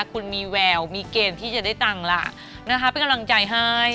คุณมีแววมีเกณฑ์ที่จะได้ตังค์ล่ะนะคะเป็นกำลังใจให้